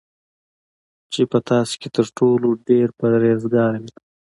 چی په تاسی کی تر ټولو ډیر پرهیزګاره وی